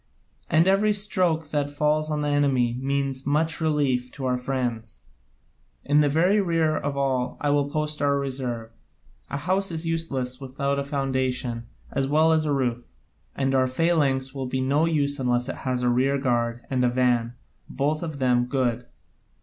And every stroke that falls on the enemy means so much relief to our friends. In the very rear of all I will post our reserve. A house is useless without a foundation as well as a roof, and our phalanx will be no use unless it has a rear guard and a van, and both of them good.